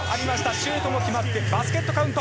シュートも決まってバスケットカウント。